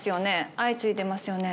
相次いでますよね。